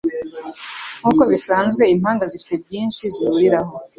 Nkuko bisanzwe, impanga zifite byinshi zihuriraho.